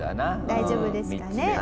大丈夫ですかね。